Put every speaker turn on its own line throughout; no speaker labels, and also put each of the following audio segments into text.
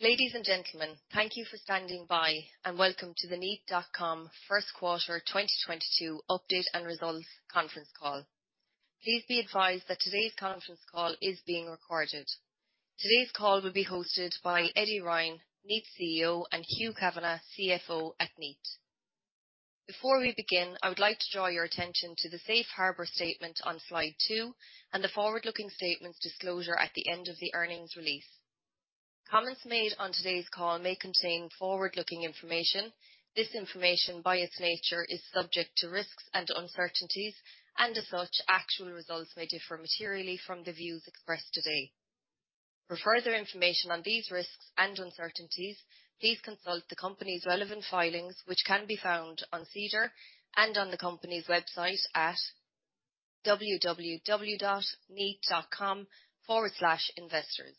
Ladies and gentlemen, thank you for standing by, and welcome to the Kneat.com first quarter 2022 update and results conference call. Please be advised that today's conference call is being recorded. Today's call will be hosted by Eddie Ryan, Kneat's CEO, and Hugh Kavanagh, CFO at Kneat. Before we begin, I would like to draw your attention to the safe harbor statement on slide 2 and the forward-looking statements disclosure at the end of the earnings release. Comments made on today's call may contain forward-looking information. This information, by its nature, is subject to risks and uncertainties, and as such, actual results may differ materially from the views expressed today. For further information on these risks and uncertainties, please consult the company's relevant filings, which can be found on SEDAR and on the company's website at www.kneat.com/investors.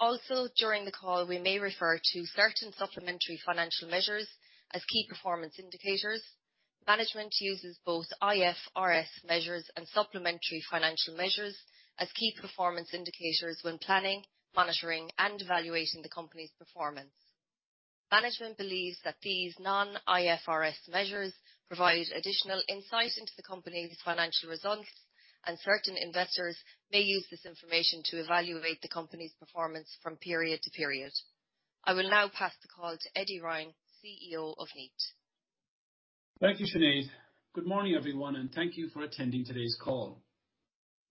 Also, during the call, we may refer to certain supplementary financial measures as key performance indicators. Management uses both IFRS measures and supplementary financial measures as key performance indicators when planning, monitoring, and evaluating the company's performance. Management believes that these non-IFRS measures provide additional insight into the company's financial results, and certain investors may use this information to evaluate the company's performance from period to period. I will now pass the call to Eddie Ryan, CEO of Kneat.
Thank you, Sinead. Good morning, everyone, and thank you for attending today's call.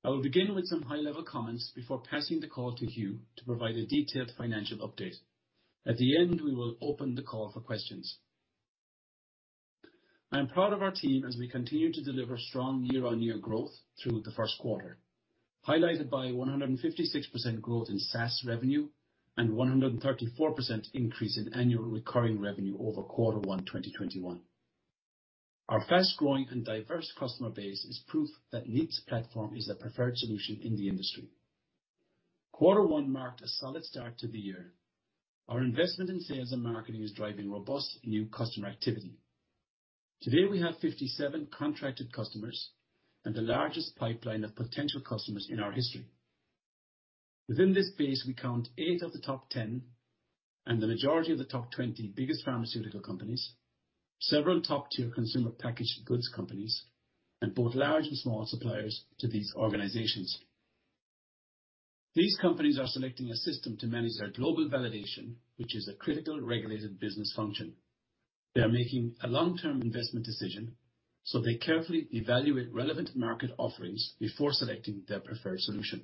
I will begin with some high-level comments before passing the call to Hugh to provide a detailed financial update. At the end, we will open the call for questions. I am proud of our team as we continue to deliver strong year-on-year growth through the first quarter, highlighted by 156% growth in SaaS revenue and 134% increase in annual recurring revenue over Q1 2021. Our fast-growing and diverse customer base is proof that Kneat's platform is the preferred solution in the industry. Quarter one marked a solid start to the year. Our investment in sales and marketing is driving robust new customer activity. Today, we have 57 contracted customers and the largest pipeline of potential customers in our history. Within this base, we count eight of the top 10 and the majority of the top 20 biggest pharmaceutical companies, several top-tier consumer packaged goods companies, and both large and small suppliers to these organizations. These companies are selecting a system to manage their global validation, which is a critical regulated business function. They are making a long-term investment decision, so they carefully evaluate relevant market offerings before selecting their preferred solution.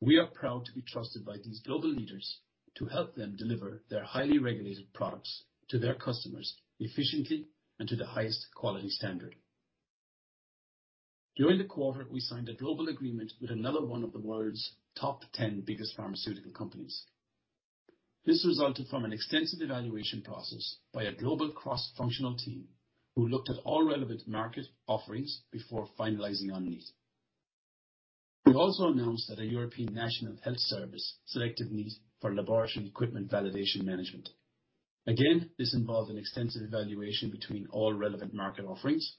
We are proud to be trusted by these global leaders to help them deliver their highly regulated products to their customers efficiently and to the highest quality standard. During the quarter, we signed a global agreement with another one of the world's top 10 biggest pharmaceutical companies. This resulted from an extensive evaluation process by a global cross-functional team who looked at all relevant market offerings before finalizing on Kneat. We also announced that a European National Health Service selected Kneat for laboratory equipment validation management. Again, this involved an extensive evaluation between all relevant market offerings.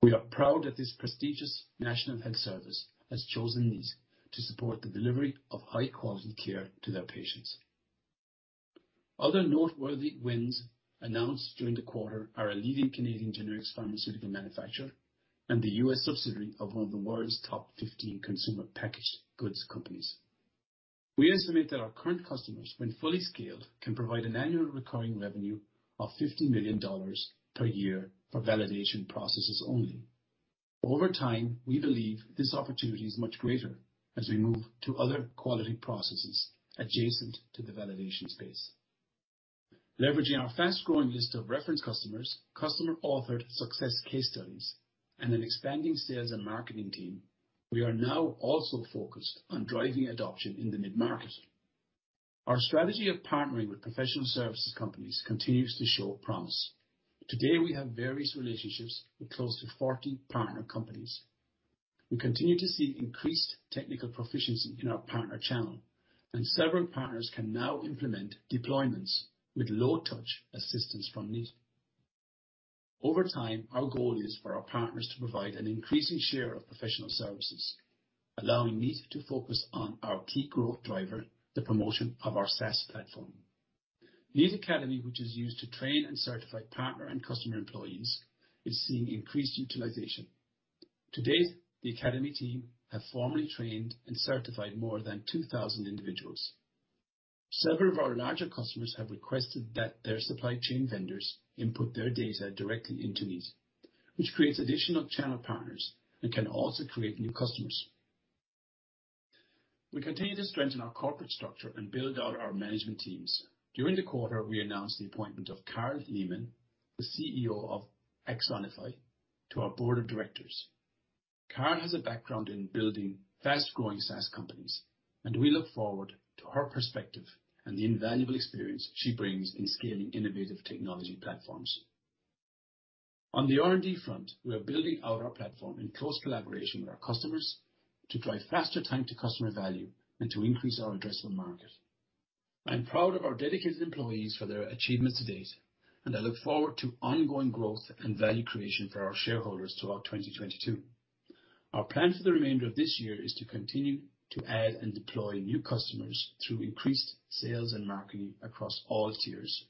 We are proud that this prestigious national health service has chosen Kneat to support the delivery of high-quality care to their patients. Other noteworthy wins announced during the quarter are a leading Canadian generics pharmaceutical manufacturer and the U.S. subsidiary of one of the world's top 15 consumer packaged goods companies. We estimate that our current customers, when fully scaled, can provide an annual recurring revenue of $50 million per year for validation processes only. Over time, we believe this opportunity is much greater as we move to other quality processes adjacent to the validation space. Leveraging our fast-growing list of reference customers, customer-authored success case studies, and an expanding sales and marketing team, we are now also focused on driving adoption in the mid-market. Our strategy of partnering with professional services companies continues to show promise. Today, we have various relationships with close to 40 partner companies. We continue to see increased technical proficiency in our partner channel, and several partners can now implement deployments with low-touch assistance from Kneat. Over time, our goal is for our partners to provide an increasing share of professional services, allowing Kneat to focus on our key growth driver, the promotion of our SaaS platform. Kneat Academy, which is used to train and certify partner and customer employees, is seeing increased utilization. To date, the academy team have formally trained and certified more than 2,000 individuals. Several of our larger customers have requested that their supply chain vendors input their data directly into Kneat, which creates additional channel partners and can also create new customers. We continue to strengthen our corporate structure and build out our management teams. During the quarter, we announced the appointment of Carol Leaman, the CEO of Axonify, to our board of directors. Carol has a background in building fast-growing SaaS companies, and we look forward to her perspective and the invaluable experience she brings in scaling innovative technology platforms. On the R&D front, we are building out our platform in close collaboration with our customers to drive faster time to customer value and to increase our addressable market. I am proud of our dedicated employees for their achievements to date, and I look forward to ongoing growth and value creation for our shareholders throughout 2022. Our plan for the remainder of this year is to continue to add and deploy new customers through increased sales and marketing across all tiers.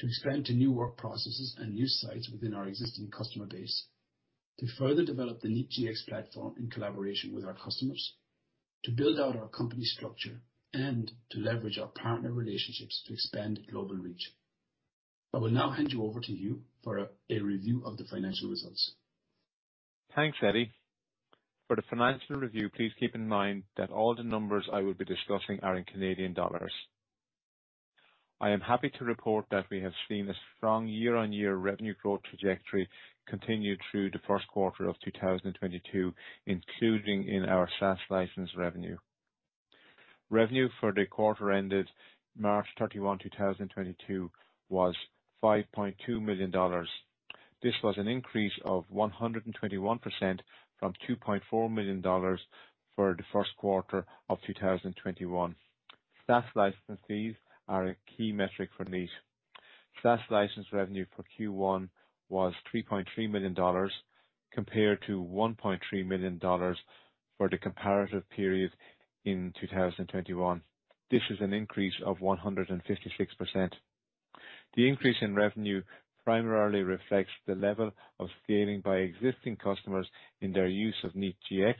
To expand to new work processes and new sites within our existing customer base. To further develop the Kneat Gx platform in collaboration with our customers. To build out our company structure and to leverage our partner relationships to expand global reach. I will now hand you over to Hugh for a review of the financial results.
Thanks, Eddie. For the financial review, please keep in mind that all the numbers I will be discussing are in Canadian dollars. I am happy to report that we have seen a strong year-on-year revenue growth trajectory continue through the first quarter of 2022, including in our SaaS license revenue. Revenue for the quarter ended March 31, 2022 was CAD 5.2 million. This was an increase of 121% from 2.4 million dollars for the first quarter of 2021. SaaS license fees are a key metric for Kneat. SaaS license revenue for Q1 was 3.3 million dollars compared to 1.3 million dollars for the comparative period in 2021. This is an increase of 156%. The increase in revenue primarily reflects the level of scaling by existing customers in their use of Kneat Gx,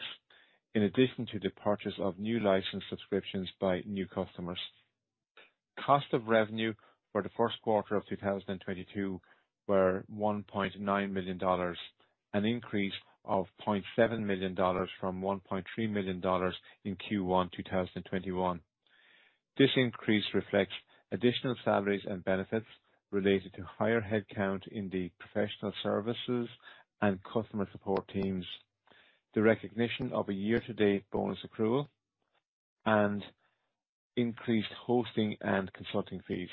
in addition to the purchase of new license subscriptions by new customers. Cost of revenue for the first quarter of 2022 were 1.9 million dollars, an increase of 0.7 million dollars from 1.3 million dollars in Q1 2021. This increase reflects additional salaries and benefits related to higher headcount in the professional services and customer support teams. The recognition of a year-to-date bonus accrual and increased hosting and consulting fees.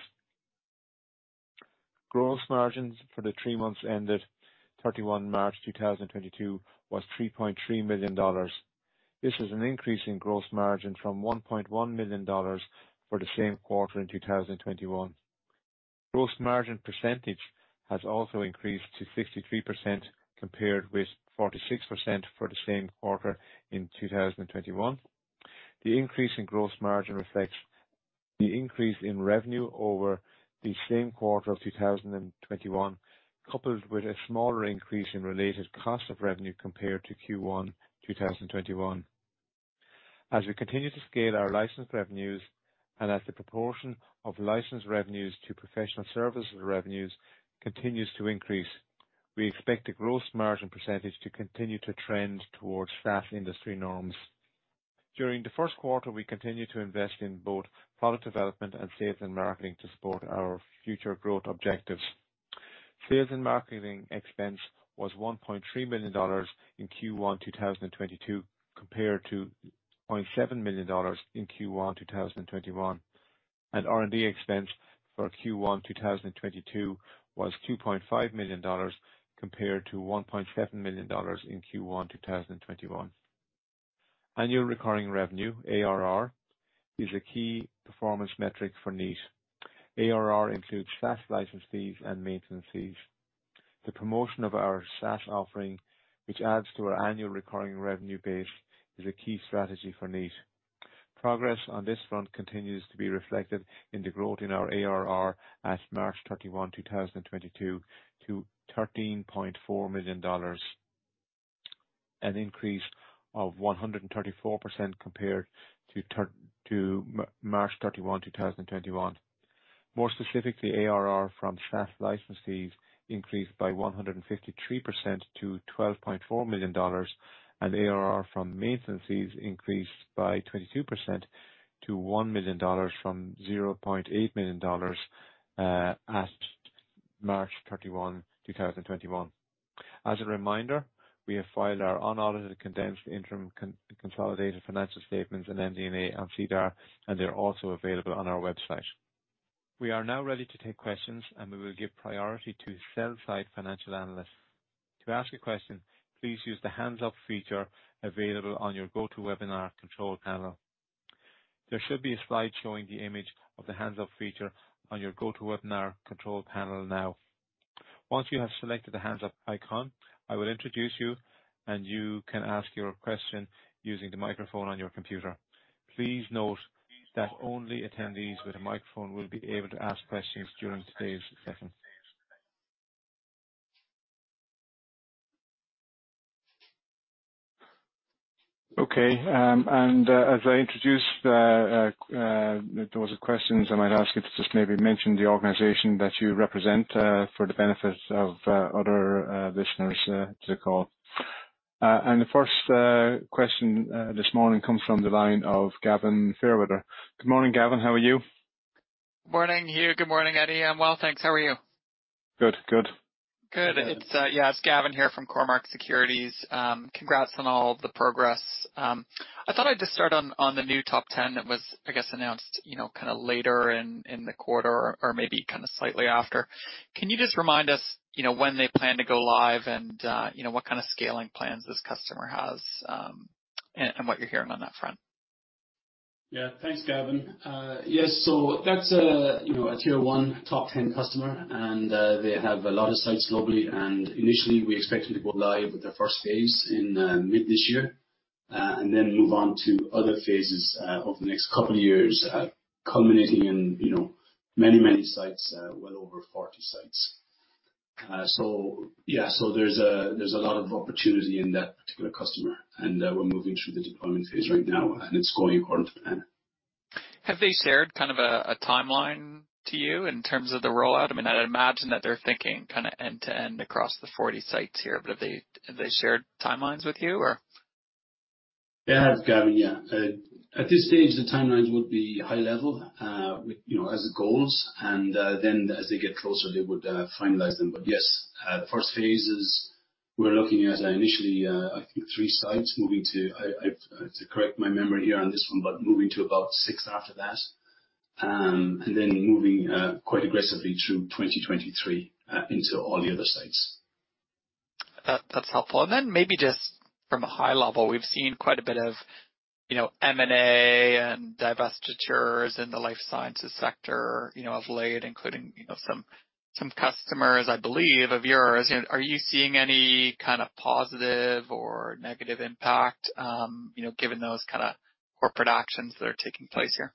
Gross margins for the three months ended March 31, 2022 was 3.3 million dollars. This is an increase in gross margin from 1.1 million dollars for the same quarter in 2021. Gross margin percentage has also increased to 63%, compared with 46% for the same quarter in 2021. The increase in gross margin reflects the increase in revenue over the same quarter of 2021, coupled with a smaller increase in related cost of revenue compared to Q1 2021. As we continue to scale our licensed revenues and as the proportion of licensed revenues to professional services revenues continues to increase, we expect the gross margin percentage to continue to trend towards SaaS industry norms. During the first quarter, we continued to invest in both product development and sales and marketing to support our future growth objectives. Sales and marketing expense was 1.3 million dollars in Q1 2022, compared to 0.7 million dollars in Q1 2021. R&D expense for Q1 2022 was 2.5 million dollars compared to 1.7 million dollars in Q1 2021. Annual recurring revenue, ARR, is a key performance metric for Kneat. ARR includes SaaS license fees and maintenance fees. The promotion of our SaaS offering, which adds to our annual recurring revenue base, is a key strategy for Kneat. Progress on this front continues to be reflected in the growth in our ARR at March 31, 2022, to CAD 13.4 million, an increase of 134% compared to March 31, 2021. More specifically, ARR from SaaS license fees increased by 153% to 12.4 million dollars, and ARR from maintenance fees increased by 22% to 1 million dollars from 0.8 million dollars, at March 31, 2021. As a reminder, we have filed our unaudited condensed interim consolidated financial statements in MD&A on SEDAR, and they're also available on our website. We are now ready to take questions, and we will give priority to sell-side financial analysts. To ask a question, please use the Hands Up feature available on your GoToWebinar control panel. There should be a slide showing the image of the Hands Up feature on your GoToWebinar control panel now. Once you have selected the Hands Up icon, I will introduce you, and you can ask your question using the microphone on your computer. Please note that only attendees with a microphone will be able to ask questions during today's session. As I introduce those with questions, I might ask you to just maybe mention the organization that you represent for the benefit of other listeners to the call. The first question this morning comes from the line of Gavin Fairweather. Good morning, Gavin. How are you?
Morning, Hugh. Good morning, Eddie. I'm well, thanks. How are you?
Good. Good.
Good. It's, yeah, it's Gavin here from Cormark Securities. Congrats on all the progress. I thought I'd just start on the new top ten that was, I guess, announced, you know, kinda later in the quarter or maybe kinda slightly after. Can you just remind us, you know, when they plan to go live and, you know, what kind of scaling plans this customer has, and what you're hearing on that front?
Yeah. Thanks, Gavin. Yes, that's a, you know, a tier one top ten customer, and they have a lot of sites globally. Initially, we expected to go live with their first phase in mid this year, and then move on to other phases over the next couple of years, culminating in, you know, many, many sites, well over 40 sites. Yeah. There's a lot of opportunity in that particular customer, and we're moving through the deployment phase right now, and it's going according to plan.
Have they shared kind of a timeline to you in terms of the rollout? I mean, I'd imagine that they're thinking kinda end-to-end across the 40 sites here, but have they shared timelines with you or?
They have, Gavin, yeah. At this stage, the timelines would be high level, you know, as goals. Then as they get closer, they would finalize them. Yes, the first phases we're looking at initially, I think three sites moving to. I have to correct my memory here on this one, but moving to about six after that. Then moving quite aggressively through 2023 into all the other sites.
That, that's helpful. Then maybe just from a high level, we've seen quite a bit of, you know, M&A and divestitures in the life sciences sector, you know, of late, including, you know, some customers, I believe, of yours. Are you seeing any kind of positive or negative impact, you know, given those kinda corporate actions that are taking place here?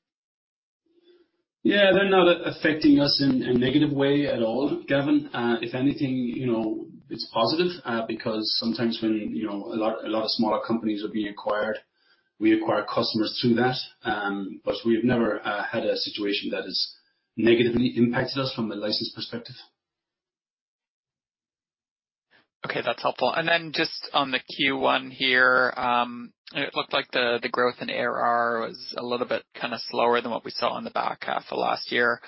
Yeah, they're not affecting us in a negative way at all, Gavin. If anything, you know, it's positive, because sometimes when, you know, a lot of smaller companies are being acquired, we acquire customers through that. We've never had a situation that has negatively impacted us from a license perspective.
Okay, that's helpful. Just on the Q1 here, it looked like the growth in ARR was a little bit kinda slower than what we saw on the back half of last year.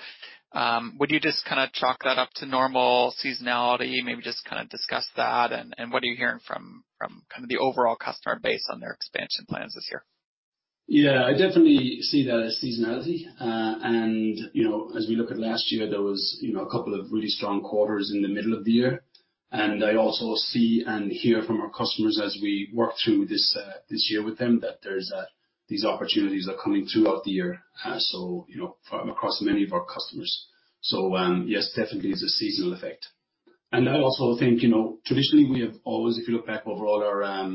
Would you just kinda chalk that up to normal seasonality? Maybe just kinda discuss that. What are you hearing from kind of the overall customer base on their expansion plans this year?
Yeah. I definitely see that as seasonality. You know, as we look at last year, there was, you know, a couple of really strong quarters in the middle of the year. I also see and hear from our customers as we work through this year with them that there's these opportunities are coming throughout the year. You know, from across many of our customers. Yes, definitely it's a seasonal effect. I also think, you know, traditionally we have always, if you look back over all our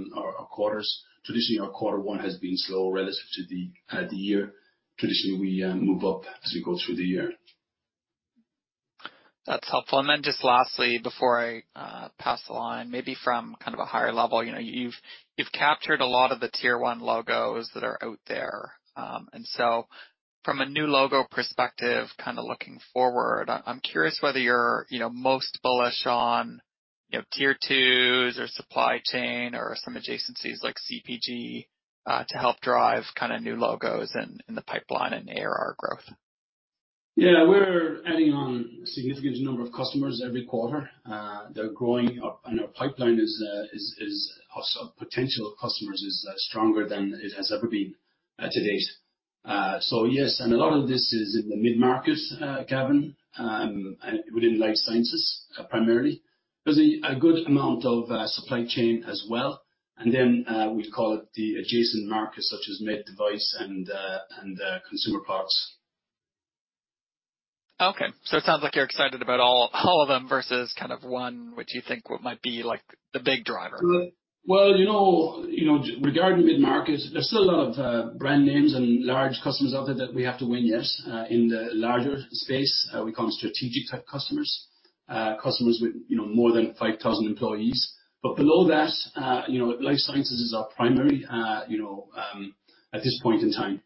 quarters, traditionally our quarter one has been slow relative to the year. Traditionally, we move up as we go through the year.
That's helpful. Just lastly, before I pass the line, maybe from kind of a higher level, you know, you've captured a lot of the tier one logos that are out there. From a new logo perspective, kinda looking forward, I'm curious whether you're, you know, most bullish on, you know, tier twos or supply chain or some adjacencies like CPG to help drive kinda new logos in the pipeline and ARR growth.
Yeah. We're adding on a significant number of customers every quarter. They're growing up, and our pipeline is also potential customers is stronger than it has ever been to date. Yes, a lot of this is in the mid-market, Gavin, within life sciences primarily. There's a good amount of supply chain as well, and then we'd call it the adjacent markets such as med device and consumer parts.
Okay. It sounds like you're excited about all of them versus kind of one which you think what might be like the big driver.
Well, you know, regarding mid-market, there's still a lot of brand names and large customers out there that we have to win, yes, in the larger space, we call them strategic type customers. Customers with, you know, more than 5,000 employees. Below that, you know, life sciences is our primary, at this point in time.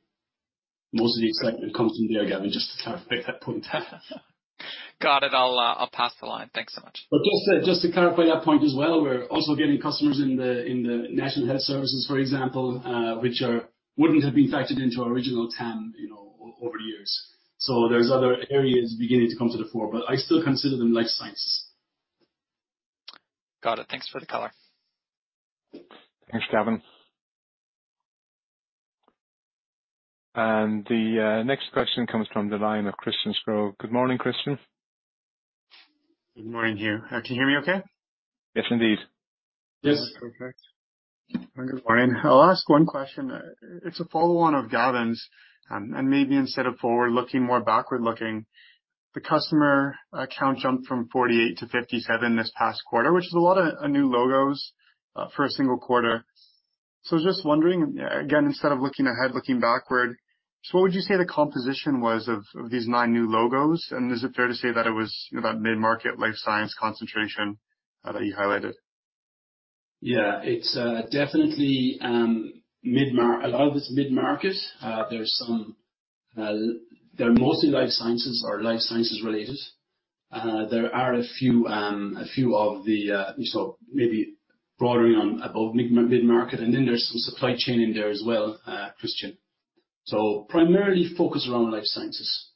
Most of the excitement comes from there, Gavin, just to clarify that point.
Got it. I'll pass the line. Thanks so much.
Also just to clarify that point as well, we're also getting customers in the National Health Service, for example, which wouldn't have been factored into our original TAM, you know, over the years. There's other areas beginning to come to the fore, but I still consider them life sciences.
Got it. Thanks for the color.
Thanks, Gavin. The next question comes from the line of Christian Sgro. Good morning, Christian.
Good morning to you. Can you hear me okay?
Yes, indeed.
Yes.
Perfect. Good morning. I'll ask one question. It's a follow-on of Gavin's, and maybe instead of forward-looking, more backward-looking. The customer account jumped from 48 to 57 this past quarter, which is a lot of new logos for a single quarter. I was just wondering, again, instead of looking ahead, looking backward, what would you say the composition was of these nine new logos? And is it fair to say that it was that mid-market life sciences concentration that you highlighted?
Yeah, it's definitely a lot of it's mid-market. There's some. They're mostly life sciences or life sciences related. There are a few of the, so maybe broader on about mid-market, and then there's some supply chain in there as well, Christian. Primarily focused around life sciences.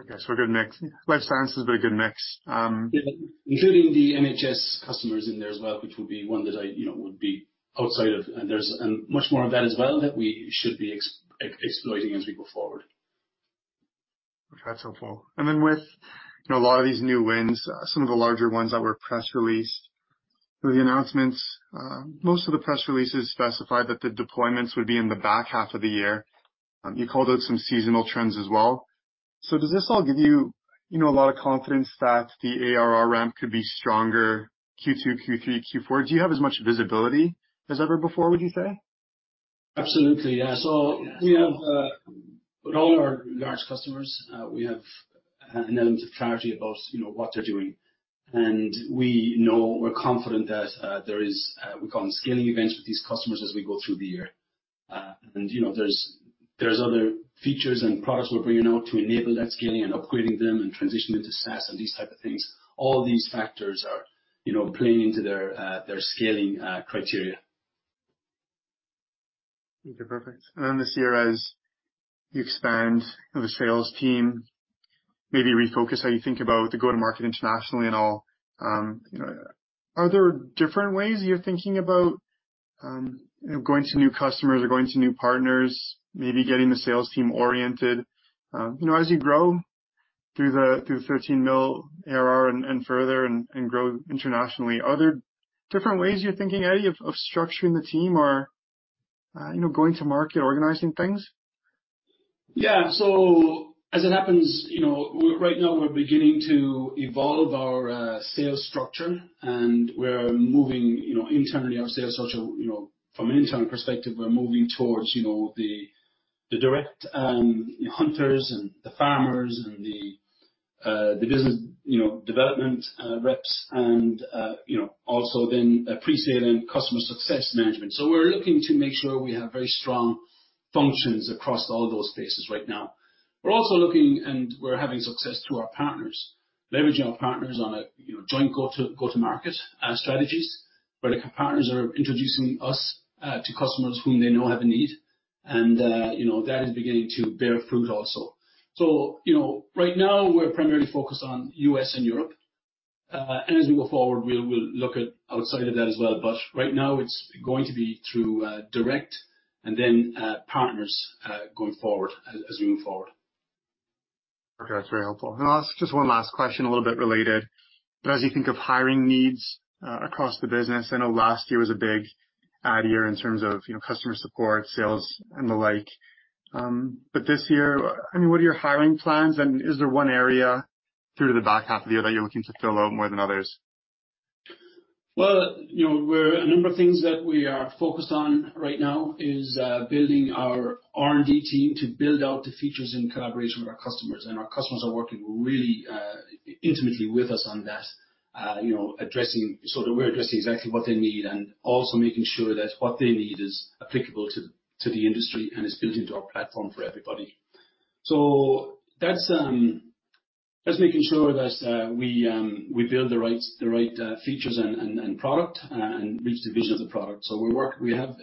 Okay. A good mix. Life sciences, but a good mix.
Including the NHS customers in there as well, which will be one that I, you know, would be outside of. There's much more of that as well that we should be exploiting as we go forward.
Okay. That's helpful. With, you know, a lot of these new wins, some of the larger ones that were press released through the announcements, most of the press releases specified that the deployments would be in the back half of the year. You called out some seasonal trends as well. Does this all give you know, a lot of confidence that the ARR ramp could be stronger Q2, Q3, Q4? Do you have as much visibility as ever before, would you say?
Absolutely, yeah. We have, with all our large customers, we have an element of clarity about, you know, what they're doing. We know we're confident that there is, we call them scaling events with these customers as we go through the year. You know, there's other features and products we're bringing out to enable that scaling and upgrading them and transitioning to SaaS and these type of things. All these factors are, you know, playing into their scaling criteria.
Okay, perfect. This year, as you expand the sales team, maybe refocus how you think about the go-to-market internationally and all. Are there different ways you're thinking about going to new customers or going to new partners, maybe getting the sales team oriented, you know, as you grow through 13 million ARR and further and grow internationally. Are there different ways you're thinking, Eddie, of structuring the team or you know, going to market, organizing things?
Yeah. As it happens, you know, right now we're beginning to evolve our sales structure, and we're moving, you know, internally our sales structure. You know, from an internal perspective, we're moving towards, you know, the direct hunters and the farmers and the business, you know, development reps and, you know, also then pre-sale and customer success management. We're looking to make sure we have very strong functions across all those spaces right now. We're also looking and we're having success through our partners, leveraging our partners on a, you know, joint go-to-market strategies where the partners are introducing us to customers whom they know have a need. You know, that is beginning to bear fruit also. You know, right now we're primarily focused on U.S. and Europe. As we go forward, we'll look at outside of that as well. Right now it's going to be through direct and then partners going forward, as we move forward.
Okay, that's very helpful. I'll ask just one last question, a little bit related. As you think of hiring needs, across the business, I know last year was a big add year in terms of, you know, customer support, sales and the like. But this year, I mean, what are your hiring plans and is there one area through the back half of the year that you're looking to fill out more than others?
Well, you know, we're a number of things that we are focused on right now is building our R&D team to build out the features in collaboration with our customers. Our customers are working really intimately with us on that, you know, addressing so that we're addressing exactly what they need and also making sure that what they need is applicable to the industry and is built into our platform for everybody. That's making sure that we build the right features and product and reach the vision of the product.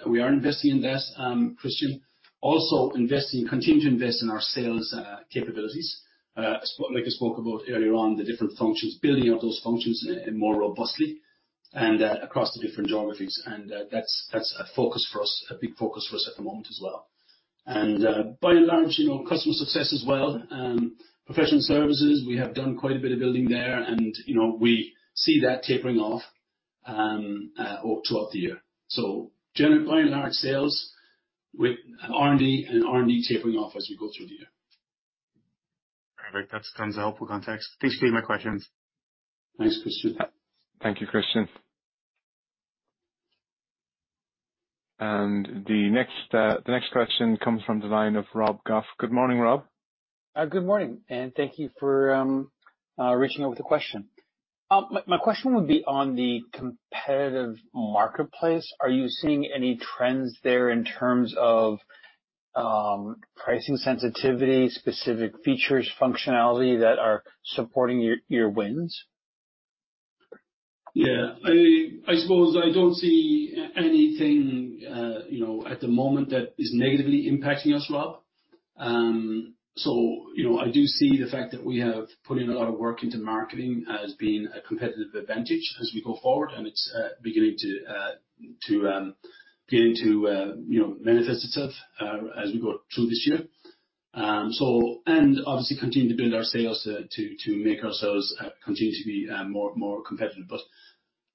We are investing in that, Christian, also investing, continuing to invest in our sales capabilities, like I spoke about earlier on, the different functions, building out those functions more robustly and across the different geographies. That's a focus for us, a big focus for us at the moment as well. By and large, you know, customer success as well. Professional services, we have done quite a bit of building there and, you know, we see that tapering off toward the year. By and large sales with R&D tapering off as we go through the year.
Perfect. That's tons of helpful context. These will be my questions.
Thanks, Christian.
Thank you, Christian. The next question comes from the line of Rob Goff. Good morning, Rob.
Good morning, and thank you for reaching out with the question. My question would be on the competitive marketplace. Are you seeing any trends there in terms of pricing sensitivity, specific features, functionality that are supporting your wins?
Yeah. I suppose I don't see anything, you know, at the moment that is negatively impacting us, Rob. You know, I do see the fact that we have put in a lot of work into marketing as being a competitive advantage as we go forward, and it's beginning to, you know, manifest itself as we go through this year. Obviously continue to build our sales to make ourselves continue to be more competitive, but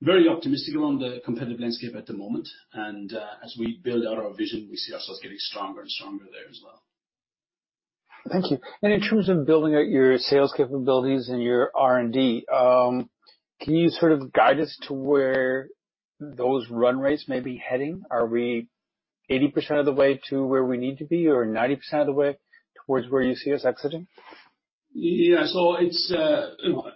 very optimistic on the competitive landscape at the moment. As we build out our vision, we see ourselves getting stronger and stronger there as well.
Thank you. In terms of building out your sales capabilities and your R&D, can you sort of guide us to where those run rates may be heading? Are we 80% of the way to where we need to be or 90% of the way towards where you see us exiting?
Yeah. It's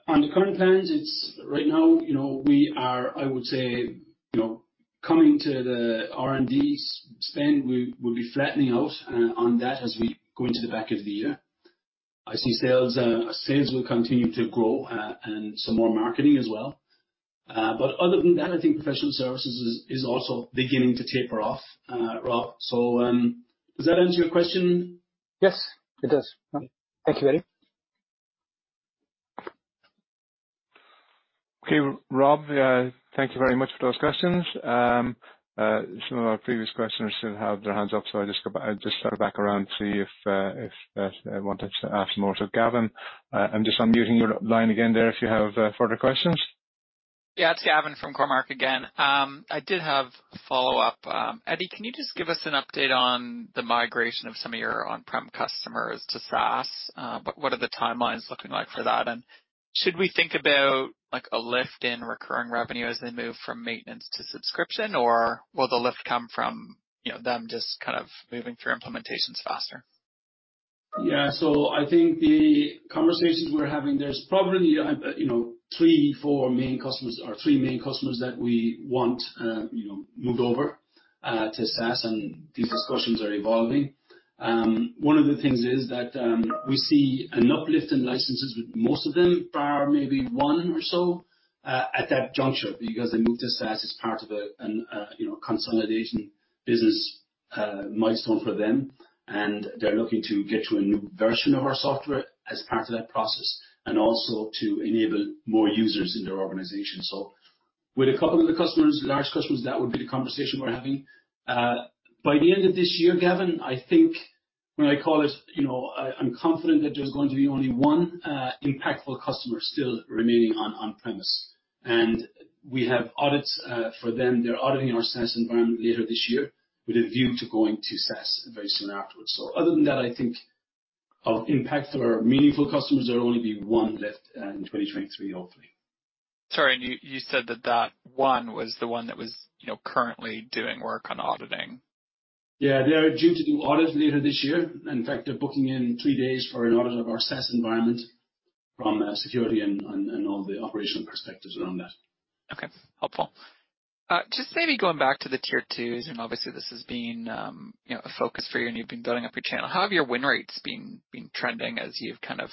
on the current plans. It's right now, you know, we are. I would say, you know, coming to the R&D spend, we will be flattening out on that as we go into the back of the year. I see sales will continue to grow, and some more marketing as well. Other than that, I think professional services is also beginning to taper off, Rob. Does that answer your question?
Yes, it does. Thank you, Eddie.
Okay, Rob, thank you very much for those questions. Some of our previous questioners still have their hands up, so I'll just sort of back around to see if they wanted to ask more. Gavin, I'm just unmuting your line again there if you have further questions.
Yeah. It's Gavin from Cormark again. I did have a follow-up. Eddie, can you just give us an update on the migration of some of your on-prem customers to SaaS? What are the timelines looking like for that? Should we think about like a lift in recurring revenue as they move from maintenance to subscription, or will the lift come from, you know, them just kind of moving through implementations faster?
Yeah. I think the conversations we're having, there's probably, you know, three or four main customers that we want moved over to SaaS, and these discussions are evolving. One of the things is that we see an uplift in licenses with most of them, bar maybe one or so, at that juncture because they moved to SaaS as part of a consolidation business milestone for them, and they're looking to get to a new version of our software as part of that process and also to enable more users in their organization. With a couple of the customers, large customers, that would be the conversation we're having. By the end of this year, Gavin, I think when I call it, you know, I'm confident that there's going to be only one impactful customer still remaining on-premise. We have audits for them. They're auditing our SaaS environment later this year with a view to going to SaaS very soon afterwards. Other than that, I think of impactful or meaningful customers, there'll only be one left in 2023, hopefully.
Sorry, you said that one was the one that was, you know, currently doing work on auditing.
Yeah. They are due to do audit later this year. In fact, they're booking in three days for an audit of our SaaS environment from a security and all the operational perspectives around that.
Okay. Helpful. Just maybe going back to the tier twos. Obviously this has been, you know, a focus for you, and you've been building up your channel. How have your win rates been trending as you've kind of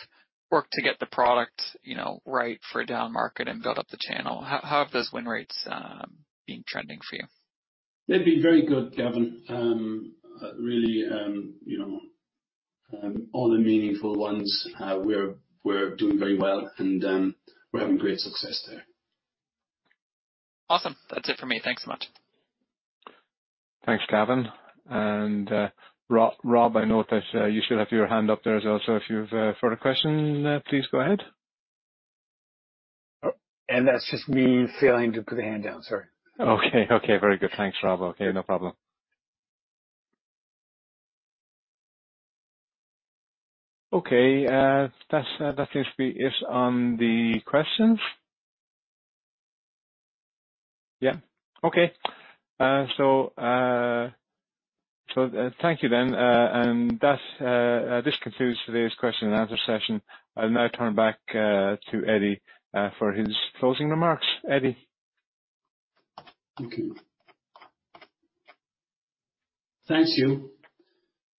worked to get the product, you know, right for a down market and build up the channel? How have those win rates been trending for you?
They've been very good, Gavin. Really, you know, all the meaningful ones, we're doing very well and we're having great success there.
Awesome. That's it for me. Thanks so much.
Thanks, Gavin. Rob, I note that you still have your hand up there as also. If you've a further question, please go ahead.
Oh, that's just me failing to put the hand down. Sorry.
Okay. Very good. Thanks, Rob. Okay, no problem. That seems to be it on the questions. Yeah. Okay. Thank you then. This concludes today's question and answer session. I'll now turn back to Eddie for his closing remarks. Eddie.
Thank you.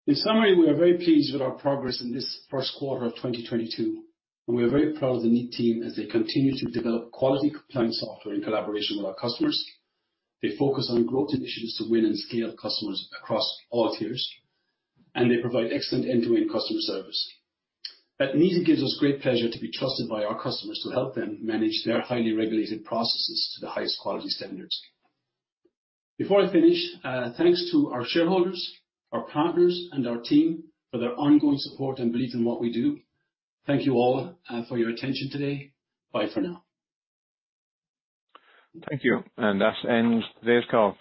In summary, we are very pleased with our progress in this first quarter of 2022, and we are very proud of the Kneat team as they continue to develop quality compliance software in collaboration with our customers. They focus on growth initiatives to win and scale customers across all tiers, and they provide excellent end-to-end customer service. At Kneat, it gives us great pleasure to be trusted by our customers to help them manage their highly regulated processes to the highest quality standards. Before I finish, thanks to our shareholders, our partners, and our team for their ongoing support and belief in what we do. Thank you all for your attention today. Bye for now.
Thank you. That ends today's call.